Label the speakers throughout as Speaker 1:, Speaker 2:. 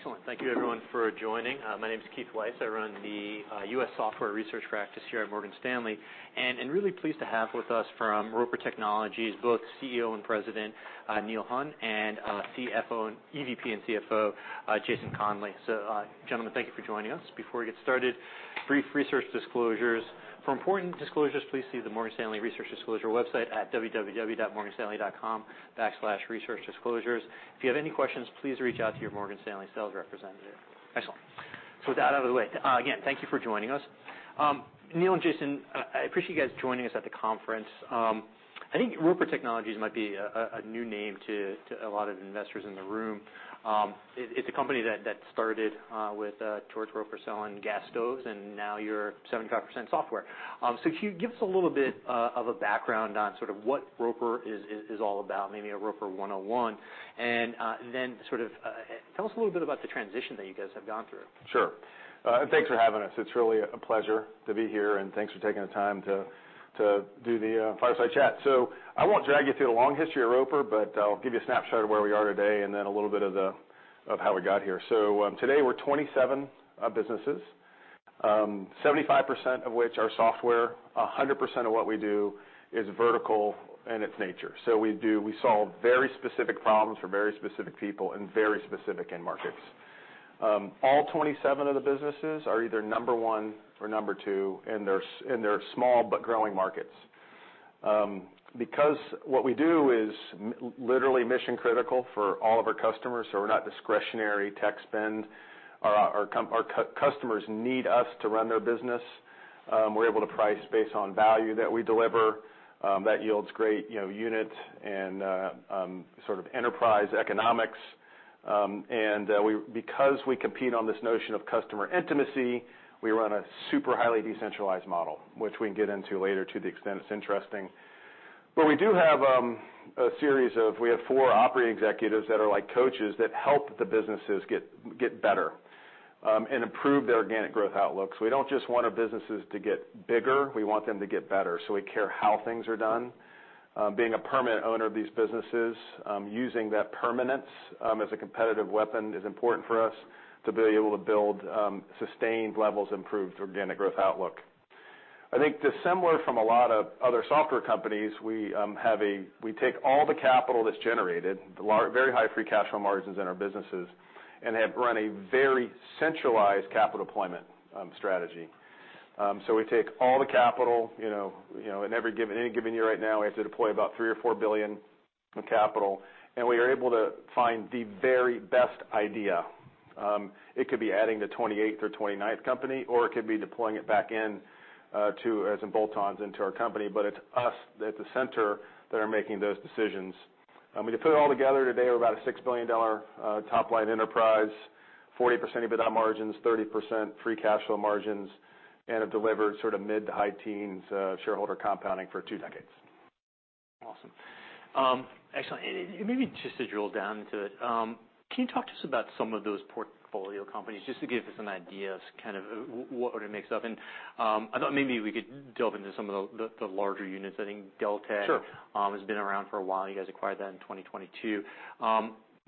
Speaker 1: Excellent. Thank you everyone for joining. My name is Keith Weiss. I run the U.S. Software Research Practice here at Morgan Stanley and really pleased to have with us from Roper Technologies, both CEO and President, Neil Hunn, and EVP and CFO, Jason Conley. Gentlemen, thank you for joining us. Before we get started, brief research disclosures. For important disclosures, please see the Morgan Stanley Research Disclosure website at www.morganstanley.com/researchdisclosures. If you have any questions, please reach out to your Morgan Stanley sales representative. Excellent. With that out of the way, again, thank you for joining us. Neil and Jason, I appreciate you guys joining us at the conference. I think Roper Technologies might be a new name to a lot of investors in the room. It's a company that started with George Roper selling gas stoves and now you're 75% software. Could you give us a little bit of a background on sort of what Roper is all about, maybe a Roper 101., and then sort of tell us a little bit about the transition that you guys have gone through.
Speaker 2: Sure. Thanks for having us. It's really a pleasure to be here and thanks for taking the time to do the fireside chat. I won't drag you through the long history of Roper. But I'll give you a snapshot of where we are today and then a little bit of how we got here. Today we're 27 businesses, 75% of which are software. 100% of what we do is vertical in its nature. We solve very specific problems for very specific people in very specific end markets. All 27 of the businesses are either number one or number two in their small but growing markets. Because what we do is literally mission-critical for all of our customers, so we're not discretionary tech spend. Our customers need us to run their business. We're able to price based on value that we deliver, that yields great, you know, unit and sort of enterprise economics. Because we compete on this notion of customer intimacy, we run a super highly decentralized model, which we can get into later to the extent it's interesting. We do have a series of, we have four operating executives that are like coaches that help the businesses get better and improve their organic growth outlooks. We don't just want our businesses to get bigger. We want them to get better. We care how things are done. Being a permanent owner of these businesses, using that permanence, as a competitive weapon is important for us to be able to build sustained levels of improved organic growth outlook. I think dissimilar from a lot of other software companies, we take all the capital that's generated, very high free cash flow margins in our businesses, and have run a very centralized capital deployment strategy. We take all the capital, you know, in any given year right now, we have to deploy about $3 billion or $4 billion in capital, and we are able to find the very best idea. It could be adding the 28th or 29th company or it could be deploying it back in to as in bolt-ons into our company. It's us at the center that are making those decisions. I mean, to put it all together today, we're about a $6 billion top-line enterprise, 40% EBITDA margins, 30% free cash flow margins, and have delivered sort of mid to high teens shareholder compounding for two decades.
Speaker 1: Awesome. Excellent. Maybe just to drill down into it, can you talk to us about some of those portfolio companies, just to give us an idea of kind of what it makes up? I thought maybe we could delve into some of the larger units. I think Deltek has been around for a while. You guys acquired that in 2022.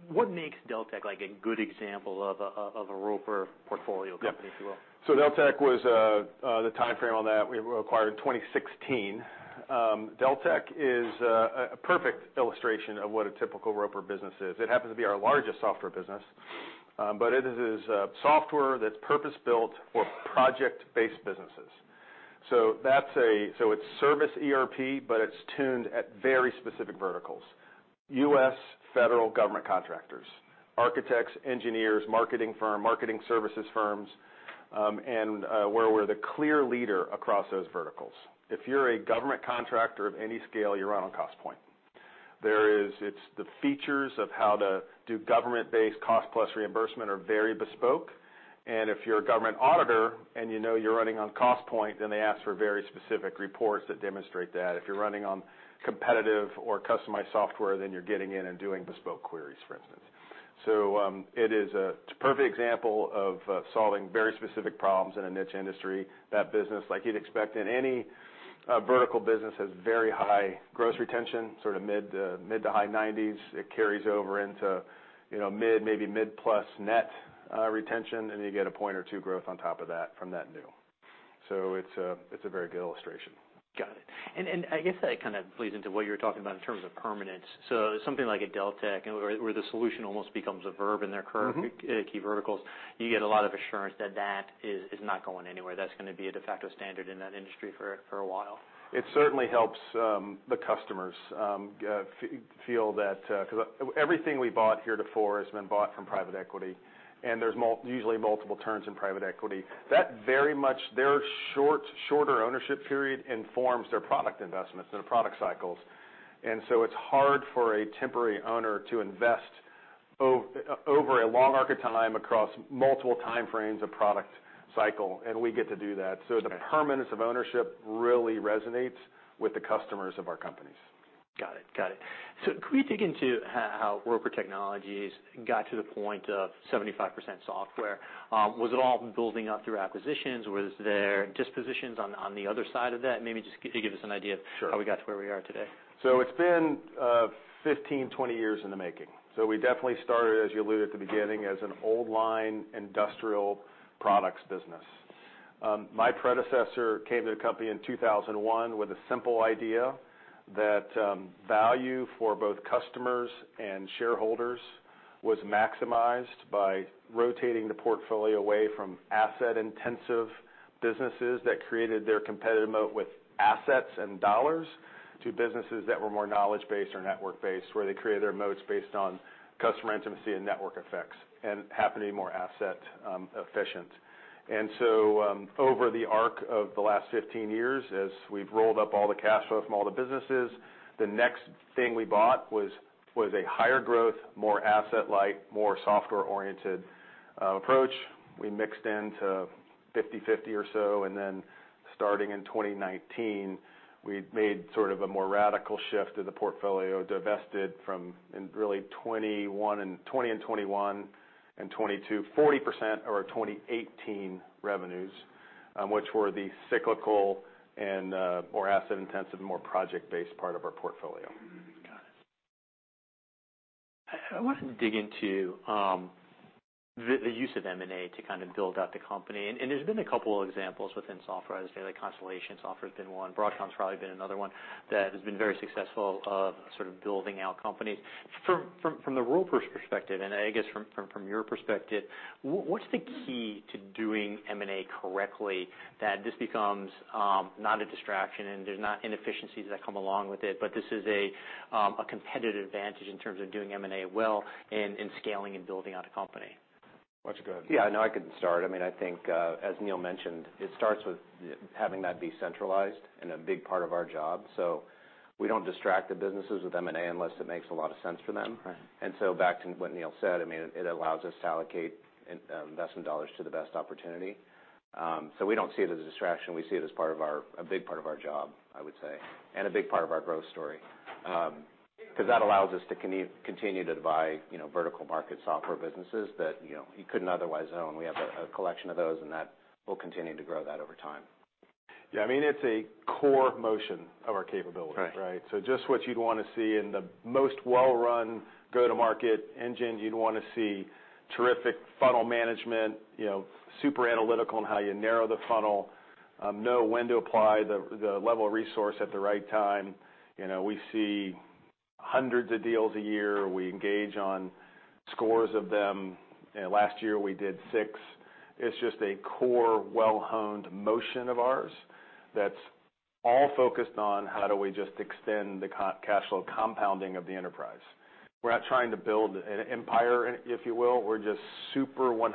Speaker 1: What makes Deltek like a good example of a Roper portfolio company, if you will?
Speaker 2: Yeah. Deltek was the timeframe on that, we acquired in 2016. Deltek is a perfect illustration of what a typical Roper business is. It happens to be our largest software business. It is software that's purpose-built for project-based businesses. That's service ERP, but it's tuned at very specific verticals, U.S. Federal Government contractors, architects, engineers, marketing firm, marketing services firms, and where we're the clear leader across those verticals. If you're a government contractor of any scale, you run on Costpoint. It's the features of how to do government-based cost plus reimbursement are very bespoke. If you're a government auditor and you know you're running on Costpoint, then they ask for very specific reports that demonstrate that. If you're running on competitive or customized software, then you're getting in and doing bespoke queries, for instance. It's a perfect example of solving very specific problems in a niche industry. That business, like you'd expect in any vertical business, has very high gross retention, sort of mid-to-high 90s. It carries over into, you know, mid, maybe mid-plus net retention, and you get a point or two growth on top of that from that new. It's a very good illustration.
Speaker 1: Got it. That kind of plays into what you were talking about in term permanence so its something like a Deltek and where the solution almost becomes a verb in their current key verticals. You get a lot of assurance that that is not going anywhere. That's going to be a de facto standard in that industry for a while.
Speaker 2: It certainly helps the customers feel that, because everything we bought heretofore has been bought from private equity, and there's usually multiple turns in private equity. That very much, their short, shorter ownership period informs their product investments, and their product cycles. It's hard for a temporary owner to invest over a long arc of time across multiple time frames of product cycle, and we get to do that.
Speaker 1: Okay.
Speaker 2: The permanence of ownership really resonates with the customers of our companies.
Speaker 1: Got it. Got it. Can we dig into how Roper Technologies got to the point of 75% software? Was it all building up through acquisitions or was there dispositions on the other side of that? Maybe just give us an idea of how we got to where we are today.
Speaker 2: It's been 15 years, 20 years in the making. We definitely started, as you alluded at the beginning, as an old-line industrial products business. My predecessor came to the company in 2001 with a simple idea that value for both customers and shareholders was maximized by rotating the portfolio away from asset-intensive businesses that created their competitive moat with assets and dollars to businesses that were more knowledge-based or network-based, where they created their moats based on customer intimacy and network effects and happening more asset efficient. Over the arc of the last 15 years as we've rolled up all the cash flow from all the businesses, the next thing we bought was a higher growth, more asset-like, more software-oriented, approach. We mixed into 50/50 or so, and then starting in 2019, we made sort of a more radical shift to the portfolio, divested from, in really 2021, 2020, and 2021, and 2022, 40% of our 2018 revenues, which were the cyclical and more asset-intensive, more project-based part of our portfolio.
Speaker 1: Got it. I wanted to dig into the use of M&A to kind of build out the company. There's been a couple of examples within software. I'd say like Constellation Software has been one. Broadcom's probably been another one that has been very successful of sort of building out companies. From the Roper perspective and from your perspective, what's the key to doing M&A correctly that this becomes not a distraction and there's not inefficiencies that come along with it, but this is a competitive advantage in terms of doing M&A well in scaling and building out a company?
Speaker 2: Why don't you go ahead.
Speaker 3: Yeah, no, I can start. I mean, I think, as Neil mentioned, it starts with having that be centralized and a big part of our job. We don't distract the businesses with M&A unless it makes a lot of sense for them.
Speaker 1: Right.
Speaker 3: Back to what Neil said, I mean, it allows us to allocate investment dollars to the best opportunity. We don't see it as a distraction, we see it as part of a big part of our job, I would say, and a big part of our growth story because that allows us to continue to buy, you know, vertical market software businesses that, you know, you couldn't otherwise own. We have a collection of those, and that we'll continue to grow that over time.
Speaker 2: Yeah, I mean, it's a core motion of our capability, right?
Speaker 3: Right.
Speaker 2: Just what you'd want to see in the most well-run go-to-market engine, you'd want to see terrific funnel management, you know, super analytical in how you narrow the funnel, know when to apply the level of resource at the right time. You know, we see 100s of deals a year. We engage on scores of them. Last year, we did six. It's just a core, well-honed motion of ours that's all focused on how do we just extend the cash flow compounding of the enterprise. We're not trying to build an empire, if you will. We're just super 100%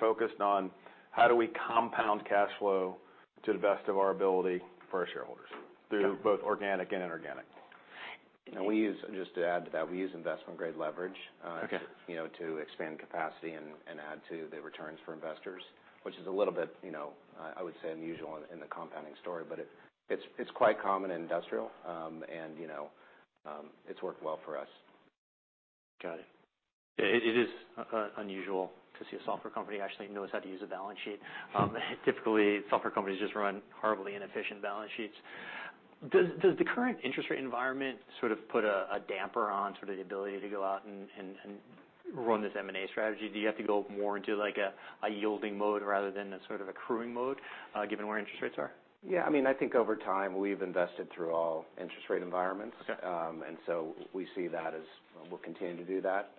Speaker 2: focused on how do we compound cash flow to the best of our ability for our shareholders through both organic and inorganic.
Speaker 3: We use, just to add to that, we use investment-grade leverage, you know, to expand capacity and add to the returns for investors, which is a little bit, you know, I would say unusual in the compounding story, but it's quite common in industrial, and, you know, it's worked well for us.
Speaker 1: Got it. It is unusual to see a software company actually knows how to use a balance sheet. Typically, software companies just run horribly inefficient balance sheets. Does the current interest rate environment sort of put a damper on sort of the ability to go out and run this M&A strategy? Do you have to go more into like a yielding mode rather than a sort of accruing mode, given where interest rates are?
Speaker 3: Yeah, I mean, I think over time, we've invested through all interest rate environments.
Speaker 1: Okay.
Speaker 3: We see that as we'll continue to do that.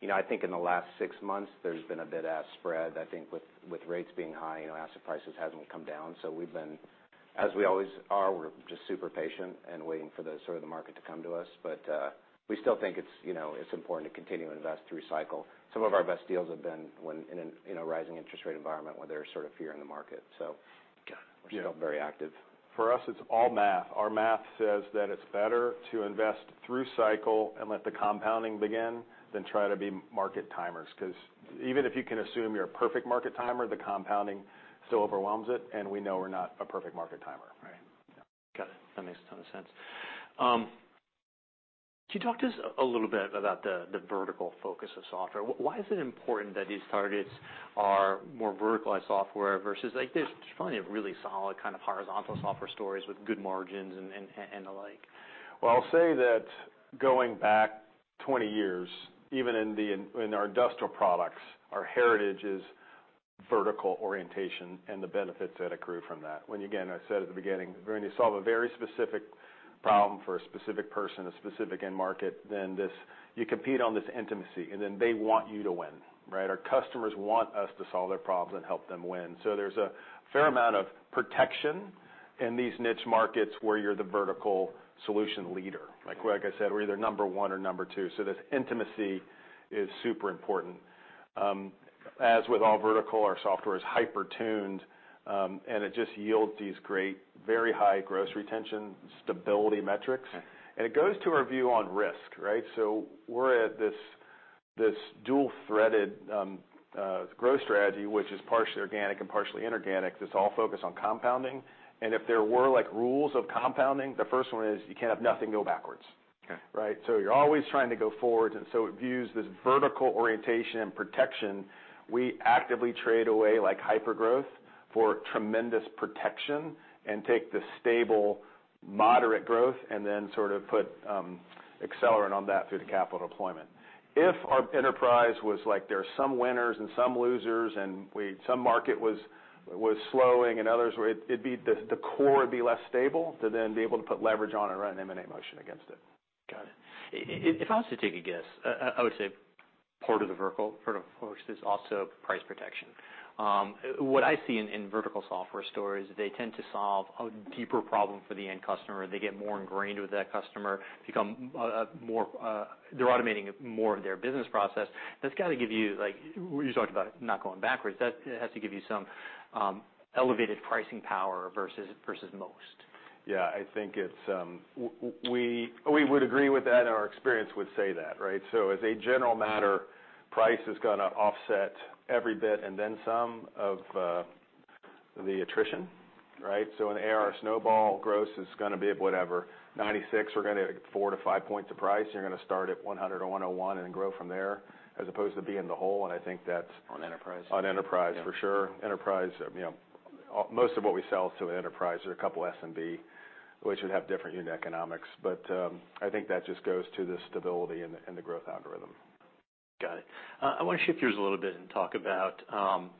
Speaker 3: you know, I think in the last six months, there's been a bit of spread, I think with rates being high, you know, asset prices hasn't come down. As we always are, we're just super patient and waiting for the sort of the market to come to us. We still think it's, you know, it's important to continue to invest through cycle. Some of our best deals have been when in an, in a rising interest rate environment where there's sort of fear in the market.
Speaker 1: Got it.
Speaker 3: We're still very active.
Speaker 2: For us, it's all math. Our math says that it's better to invest through cycle and let the compounding begin than try to be market timers because even if you can assume you're a perfect market timer, the compounding still overwhelms it, and we know we're not a perfect market timer.
Speaker 1: Right. Got it. That makes a ton of sense. Could you talk to us a little bit about the vertical focus of software? Why is it important that these targets are more verticalized software versus, like there's plenty of really solid kind of horizontal software stories with good margins and alike?
Speaker 2: Well, I'll say that going back 20 years even in our industrial products, our heritage is vertical orientation and the benefits that accrue from that. When, again, I said at the beginning, when you solve a very specific problem for a specific person, a specific end market, then this, you compete on this intimacy, they want you to win, right? Our customers want us to solve their problems and help them win. There's a fair amount of protection in these niche markets where you're the vertical solution leader. Like I said, we're either number one or number two. This intimacy is super important. As with all vertical, our software is hyper-tuned and it just yields these great, very high gross retention stability metrics.
Speaker 1: Okay.
Speaker 2: It goes to our view on risk, right? We're at this dual-threaded growth strategy, which is partially organic and partially inorganic that's all focused on compounding. If there were like rules of compounding, the first one is you can't have nothing go backwards.
Speaker 1: Okay.
Speaker 2: Right? You're always trying to go forward, and so it views this vertical orientation and protection. We actively trade away like hypergrowth for tremendous protection and take the stable moderate growth and then sort of put accelerant on that through the capital deployment. If our enterprise was like there are some winners and some losers and some market was slowing and others where it'd be the core would be less stable to then be able to put leverage on it or an M&A motion against it.
Speaker 1: Got it. If I was to take a guess, I would say part of the vertical, part of course, there's also price protection. What I see in vertical software store is they tend to solve a deeper problem for the end customer. They get more ingrained with that customer, become more, they're automating more of their business process. That's got to give you like where you talked about not going backwards, that has to give you some elevated pricing power versus most.
Speaker 2: Yeah, I think it's, we would agree with that, our experience would say that, right? As a general matter, price is going to offset every bit and then some of the attrition, right? In ARR snowball, gross is going to be at whatever, 96. We're going to four to five points of price. You're going to start at 100 or 101 and then grow from there, as opposed to be in the hole.
Speaker 1: On enterprise.
Speaker 2: On enterprise, for sure. Enterprise, you know, most of what we sell is to an enterprise or a couple SMB, which would have different unit economics. I think that just goes to the stability and the growth algorithm.
Speaker 1: Got it. I want to shift gears a little bit and talk about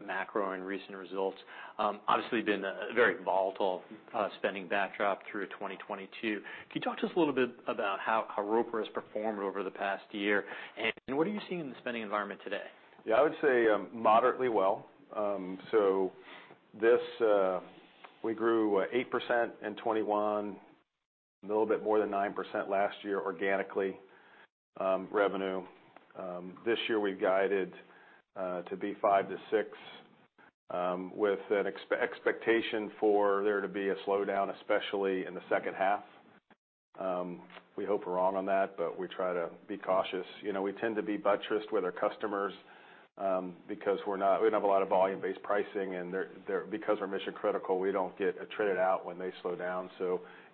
Speaker 1: macro and recent results. Obviously been a very volatile spending backdrop through 2022. Can you talk to us a little bit about how Roper has performed over the past year and what are you seeing in the spending environment today?
Speaker 2: Yeah, I would say, moderately well. This, we grew 8% in 2021, a little bit more than 9% last year organically, revenue. This year we guided to be 5% to 6%, with an expectation for there to be a slowdown especially in the second half. We hope we're wrong on that, but we try to be cautious. You know, we tend to be buttressed with our customers because we have a lot of volume-based pricing, and they're because we're mission-critical, we don't get attrited out when they slow down.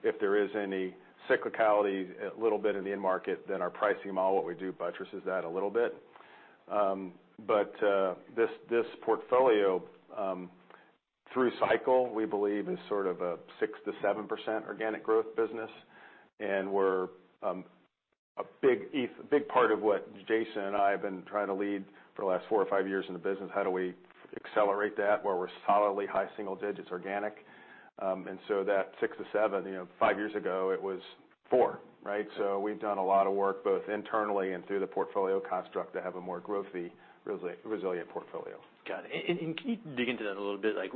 Speaker 2: If there is any cyclicality, a little bit in the end market, then our pricing model, what we'd buttresses that a little bit. This portfolio, through cycle, we believe is sort of a 6% to 7% organic growth business. We're a big part of what Jason and I have been trying to lead for the last four or five years in the business and how do we accelerate that, where we're solidly high-single digits organic. That 6% to 7%, you know, five years ago, it was 4%, right? We've done a lot of work both internally and through the portfolio construct to have a more growthy resilient portfolio.
Speaker 1: Got it. Can you dig into that a little bit? Like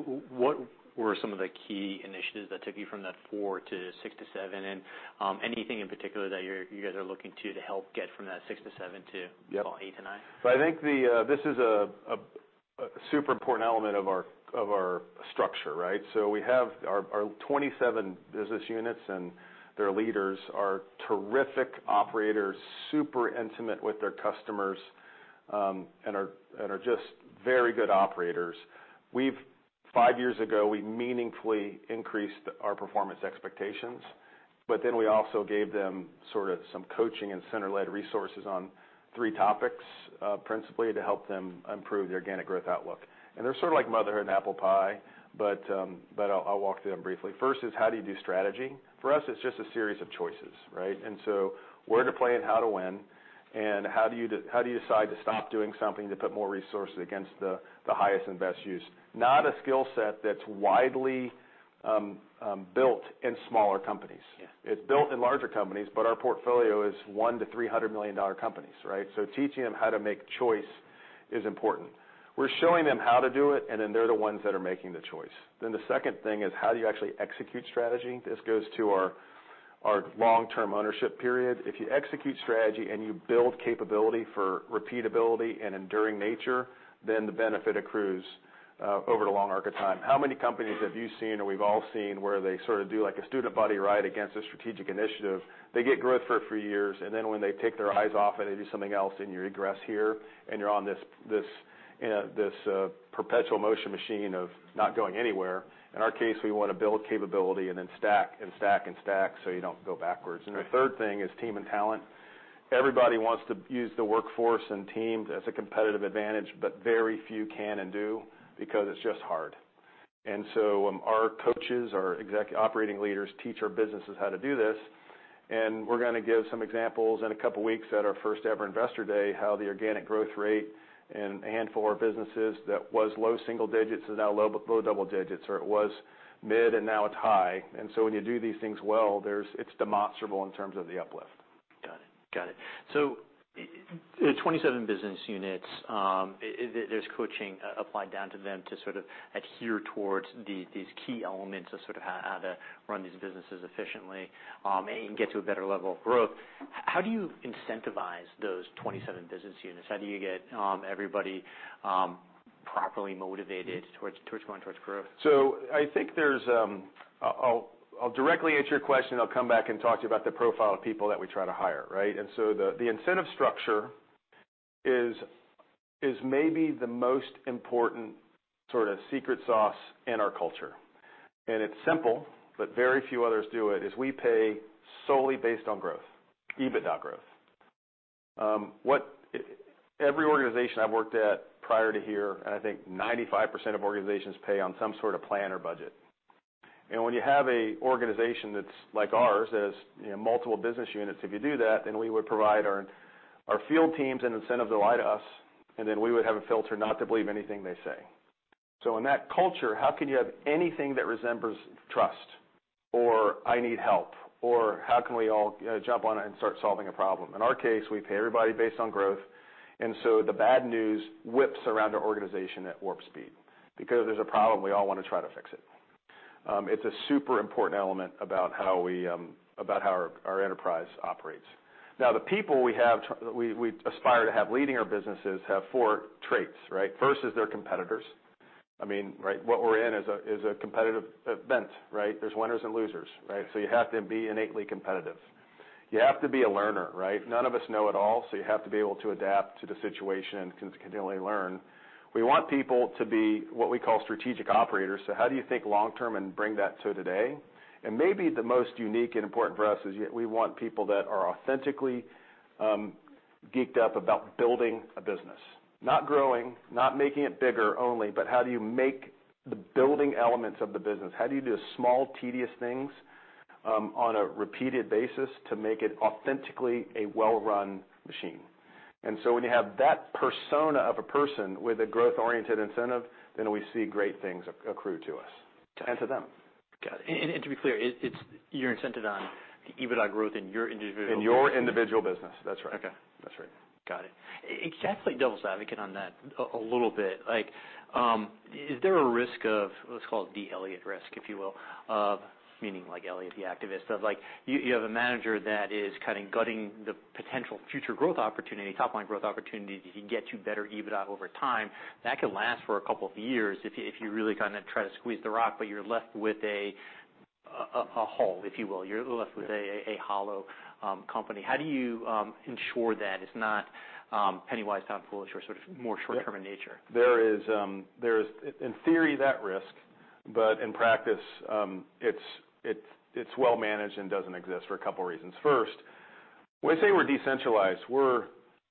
Speaker 1: what were some of the key initiatives that took you from that 4% to 6% to 7%? Anything in particular that you're, you guys are looking to help get from that 6% to 7% to 8% to 9%?
Speaker 2: I think this is a super important element of our structure, right? We have our 27 business units and their leaders are terrific operators, super intimate with their customers, and are just very good operators. Five years ago, we meaningfully increased our performance expectations, but we also gave them sort of some coaching and center-led resources on three topics principally to help them improve their organic growth outlook. They're sort of like motherhood and apple pie, but I'll walk through them briefly. First is how do you do strategy? For us, it's just a series of choices, right, where to play and how to win and how do you decide to stop doing something to put more resources against the highest and best use. Not a skill set that's widely built in smaller companies.
Speaker 1: Yeah.
Speaker 2: It's built in larger companies, but our portfolio is $1 million to $300 million companies, right? Teaching them how to make choice is important. We're showing them how to do it and then they're the ones that are making the choice. The second thing is how do you actually execute strategy? This goes to our long-term ownership period. If you execute strategy and you build capability for repeatability and enduring nature then the benefit accrues over the long arc of time. How many companies have you seen, or we've all seen, where they sort of do like a student body ride against a strategic initiative? They get growth for a few years, and then when they take their eyes off it, they do something else, and you egress here, and you're on this, you know, perpetual motion machine of not going anywhere. In our case, we want to build capability and then stack and stack and stack so you don't go backwards.
Speaker 1: Right.
Speaker 2: The third thing is team and talent. Everybody wants to use the workforce and team as a competitive advantage but very few can and do because it's just hard. Our coaches, our exec operating leaders teach our businesses how to do this. We're going to give some examples in a couple of weeks at our first-ever Investor Day how the organic growth rate in a handful of our businesses that was low-single digits is now low-double digits or it was mid and now it's high. When you do these things well, it's demonstrable in terms of the uplift.
Speaker 1: Got it. Got it. The 27 business units, there's coaching applied down to them to sort of adhere towards these key elements of sort of how to run these businesses efficiently, and get to a better level of growth. How do you incentivize those 27 business units? How do you get everybody properly motivated towards going towards growth?
Speaker 2: I think there's, I'll directly answer your question, then I'll come back and talk to you about the profile of people that we try to hire, right? The incentive structure is maybe the most important sort of secret sauce in our culture. It's simple, but very few others do it, is we pay solely based on growth, EBITDA growth. What every organization I've worked at prior to here, and I think 95% of organizations pay on some sort of plan or budget. When you have a organization that's like ours, that has, you know, multiple business units, if you do that, then we would provide our field teams an incentive to lie to us, and then we would have a filter not to believe anything they say. In that culture, how can you have anything that resembles trust or I need help or how can we all, you know, jump on and start solving a problem? In our case, we pay everybody based on growth. The bad news whips around our organization at warp speed because there's a problem, we all want to try to fix it. It's a super important element about how we about how our enterprise operates. Now, the people we have we aspire to have leading our businesses have four traits, right? First is they're competitors. I mean, right, what we're in is a competitive event, right? There's winners and losers, right? You have to be innately competitive. You have to be a learner, right? None of us know it all. You have to be able to adapt to the situation and continually learn. We want people to be what we call strategic operators. How do you think long term and bring that to today? Maybe the most unique and important for us is we want people that are authentically geeked up about building a business. Not growing, not making it bigger only, but how do you make the building elements of the business? How do you do small, tedious things on a repeated basis to make it authentically a well-run machine? When you have that persona of a person with a growth-oriented incentive, then we see great things accrue to us, and to them.
Speaker 1: Got it. To be clear, you're incented on the EBITDA growth in your individual business.
Speaker 2: In your individual business, that's right.
Speaker 1: Okay.
Speaker 2: That's right.
Speaker 1: Got it. Exactly, devil's advocate on that a little bit, like, is there a risk of, let's call it the Elliott risk, if you will, meaning like Elliott, the activist. Like, you have a manager that is kind of gutting the potential future growth opportunity, top line growth opportunity that he can get you better EBITDA over time. That could last for a couple of years if you really kind of try to squeeze the rock, but you're left with a hole, if you will. You're left with a hollow company. How do you ensure that it's not penny wise, pound foolish, or sort of more short-term in nature?
Speaker 2: There is, there is in theory that risk, but in practice, it's well managed and doesn't exist for a couple reasons. First, when we say we're decentralized, we're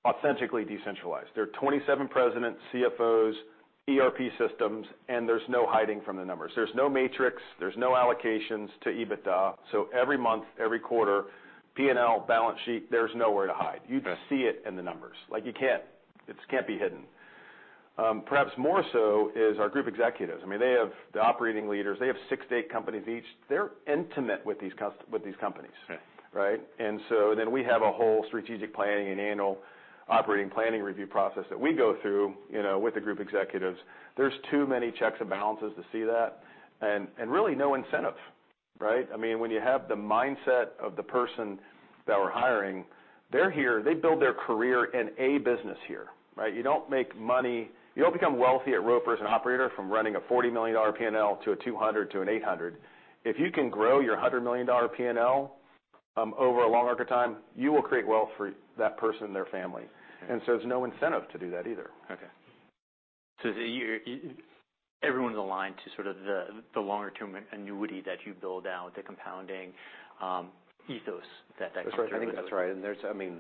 Speaker 2: authentically decentralized. There are 27 presidents, CFOs, ERP systems, and there's no hiding from the numbers. There's no matrix, there's no allocations to EBITDA. Every month, every quarter, P&L, balance sheet, there's nowhere to hide.
Speaker 1: Okay.
Speaker 2: You just see it in the numbers. Like, you can't, it just can't be hidden. Perhaps more so is our group executives, I mean, they have the operating leaders. They have six to eight companies each. They're intimate with these companies.
Speaker 1: Right.
Speaker 2: Right? We have a whole strategic planning and annual operating planning review process that we go through, you know, with the group executives. There's too many checks and balances to see that, and really no incentive, right? I mean, when you have the mindset of the person that we're hiring, they're here, they build their career in a business here, right? You don't become wealthy at Roper as an operator from running a $40 million P&L to a $200 million to an $800 million. If you can grow your $100 million P&L over a longer time, you will create wealth for that person and their family.
Speaker 1: Okay.
Speaker 2: There's no incentive to do that either.
Speaker 1: Okay. everyone's aligned to sort of the longer term annuity that you build out, the compounding ethos that then drives.
Speaker 2: That's right.
Speaker 3: I think that's right and there's, I mean,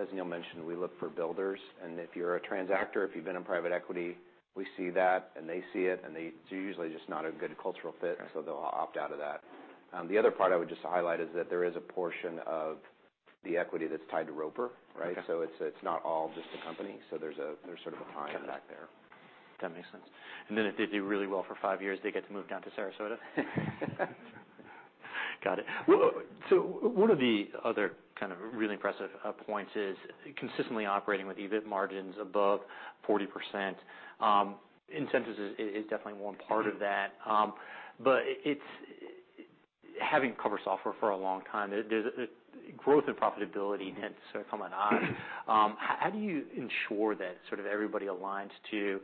Speaker 3: as Neil mentioned, we look for builders, and if you're a transactor, if you've been in private equity, we see that and they see it, and usually just not a good cultural fit, so they'll opt out of that. The other part I would just highlight is that there is a portion of the equity that's tied to Roper, right?
Speaker 1: Okay.
Speaker 2: It's not all just the company. There's a sort of a tie-in back there.
Speaker 1: Got it. That makes sense. Then if they do really well for five years, they get to move down to Sarasota. Got it. So one of the other kind of really impressive points is consistently operating with EBIT margins above 40%. Incentives is definitely one part of that. But having covered software for a long time, growth and profitability tend to sort of come at odds. How do you ensure that sort of everybody aligns to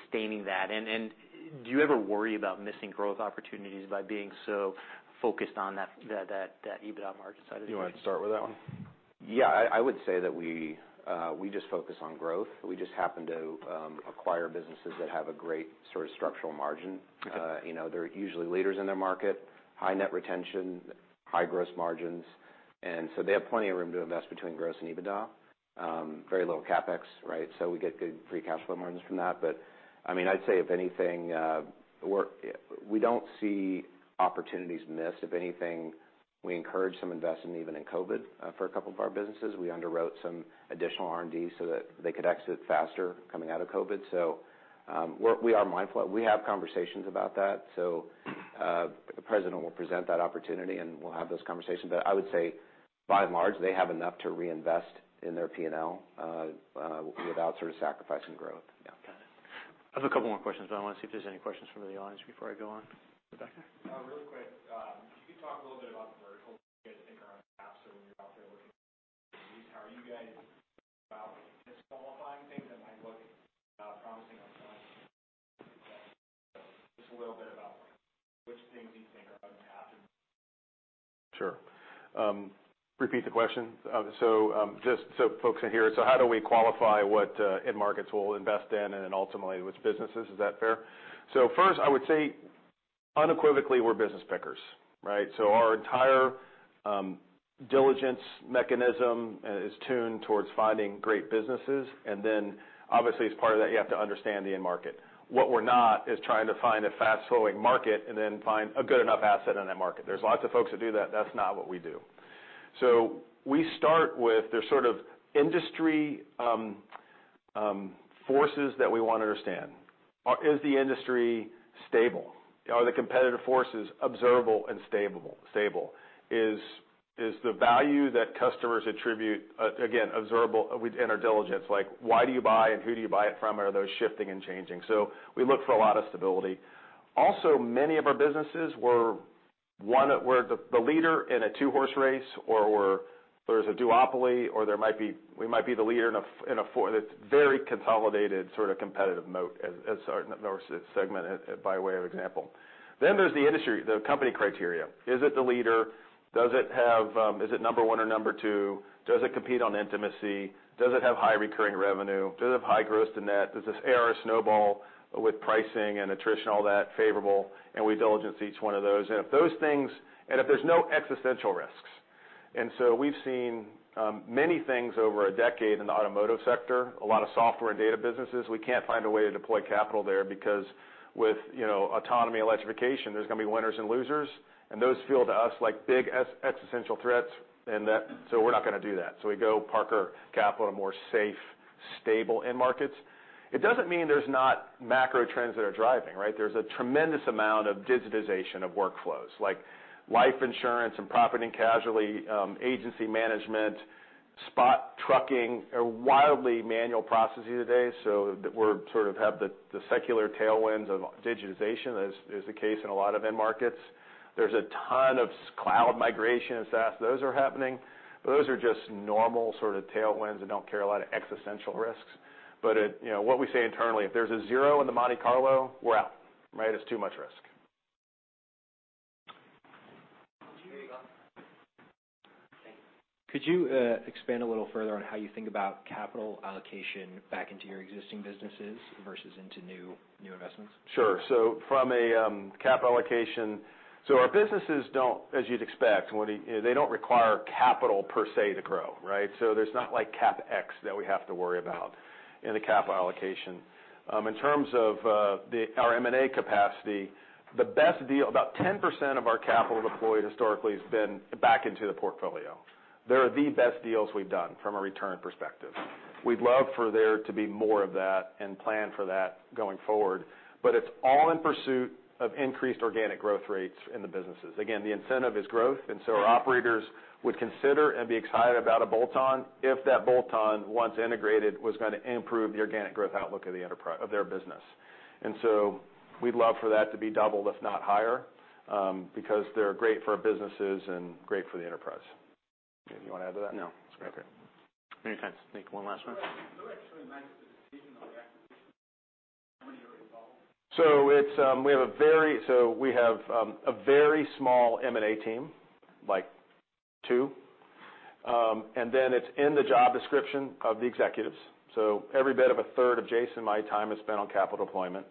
Speaker 1: sustaining that? Do you ever worry about missing growth opportunities by being so focused on that EBITDA margin side of the business?
Speaker 2: You want to start with that one?
Speaker 3: Yeah. I would say that we just focus on growth but we just happen to acquire businesses that have a great sort of structural margin.
Speaker 1: Okay.
Speaker 3: You know, they're usually leaders in their market, high net retention, high gross margins. They have plenty of room to invest between gross and EBITDA. Very low CapEx, right? We get good free cash flow margins from that. I mean, I'd say if anything, we don't see opportunities missed. If anything, we encourage some investment even in COVID for a couple of our businesses. We underwrote some additional R&D so that they could exit faster coming out of COVID. We are mindful. We have conversations about that. The president will present that opportunity and we'll have those conversations. I would say by and large, they have enough to reinvest in their P&L without sort of sacrificing growth. Yeah.
Speaker 1: Got it. I have a couple more questions. I want to see if there's any questions from the audience before I go on. Rebecca?
Speaker 4: Really quick, can you talk a little bit about the verticals you guys think are going to happen when you're out there looking at these? How are you guys about disqualifying things that might look promising on the surface? Just a little bit about like which things you think are going to happen.
Speaker 2: Sure. Repeat the question. Just so folks can hear it. How do we qualify what end markets we'll invest in and then ultimately which businesses? Is that fair? First, I would say. Unequivocally, we're business pickers, right? Our entire diligence mechanism is tuned towards finding great businesses. Then obviously, as part of that, you have to understand the end market. What we're not is trying to find a fast-flowing market and then find a good enough asset in that market. There's lots of folks that do that. That's not what we do. We start with the sort of industry forces that we want to understand. Is the industry stable? Are the competitive forces observable and stable? Is the value that customers attribute, again, observable in our diligence? Like, why do you buy and who do you buy it from? Are those shifting and changing? We look for a lot of stability. Also, many of our businesses were the leader in a two-horse race or there's a duopoly or we might be the leader that's very consolidated sort of competitive moat as our segment by way of example. There's the industry, the company criteria. Is it the leader? Does it have, is it number one or number two? Does it compete on intimacy? Does it have high recurring revenue? Does it have high gross to net? Does this ARR snowball with pricing and attrition all that favorable? We diligence each one of those. If there's no existential risks. We've seen many things over a decade in the automotive sector, a lot of software and data businesses. We can't find a way to deploy capital there because with, you know, autonomy, electrification, there's going to be winners and losers, and those feel to us like big existential threats so we're not going to do that. We go park our capital in more safe, stable end markets. It doesn't mean there's not macro trends that are driving, right? There's a tremendous amount of digitization of workflows, like life insurance and property and casualty, agency management, spot trucking, are wildly manual processes today. We sort of have the secular tailwinds of digitization, as is the case in a lot of end markets. There's a ton of cloud migration and SaaS. Those are happening, but those are just normal sort of tailwinds and don't carry a lot of existential risks. You know, what we say internally, if there's a zero in the Monte Carlo, we're out, right? It's too much risk.
Speaker 4: Could you expand a little further on how you think about capital allocation back into your existing businesses versus into new investments?
Speaker 2: Sure. From a cap allocation, our businesses don't, as you'd expect, they don't require capital per se to grow, right? There's not like CapEx that we have to worry about in the capital allocation. In terms of our M&A capacity, about 10% of our capital deployed historically has been back into the portfolio. They're the best deals we've done from a return perspective. We'd love for there to be more of that and plan for that going forward, but it's all in pursuit of increased organic growth rates in the businesses. Again, the incentive is growth and so our operators would consider and be excited about a bolt-on if that bolt-on once integrated, was going to improve the organic growth outlook of their business. We'd love for that to be doubled, if not higher, because they're great for our businesses and great for the enterprise. Do you want to add to that?
Speaker 3: No. It's good.
Speaker 2: Okay.
Speaker 1: All right, thanks. Take one last one.
Speaker 4: Who actually makes the decision on the acquisition? How many are involved?
Speaker 2: We have a very small M&A team, like two. It's in the job description of the executives. Every bit of 1/3 of Jason and my time is spent on capital deployment.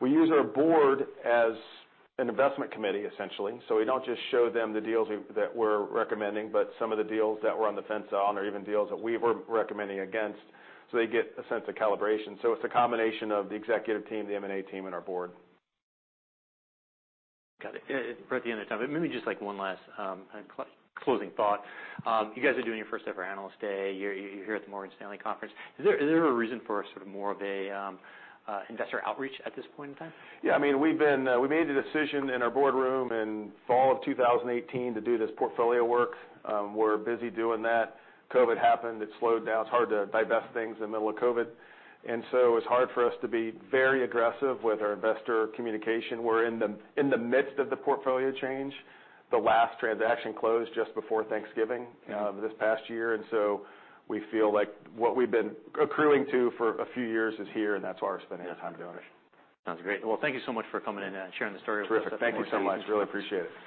Speaker 2: We use our board as an investment committee, essentially. We don't just show them the deals that we're recommending, but some of the deals that we're on the fence on or even deals that we were recommending against, so they get a sense of calibration. It's a combination of the executive team, the M&A team, and our board.
Speaker 1: Got it. We're at the end of time, but maybe just like one last closing thought. You guys are doing your first ever Analyst Day. You're here at the Morgan Stanley conference. Is there a reason for sort of more of a investor outreach at this point in time?
Speaker 2: Yeah, I mean, we made the decision in our boardroom in fall of 2018 to do this portfolio work. We're busy doing that. COVID happened and it slowed down. It's hard to digest things in the middle of COVID. It's hard for us to be very aggressive with our investor communication. We're in the midst of the portfolio change. The last transaction closed just before Thanksgiving this past year. We feel like what we've been accruing to for a few years is here, and that's why we're spending the time doing it.
Speaker 1: Sounds great. Well, thank you so much for coming in and sharing the story with us at the Morgan Stanley conference.
Speaker 2: Terrific, thank you so much, really appreciate it.